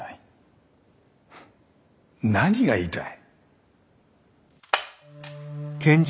何が言いたい？